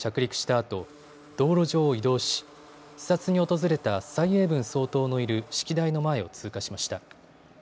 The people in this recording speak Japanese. あと道路上を移動し視察に訪れた蔡英文総統のいる指揮台の前を通過しました。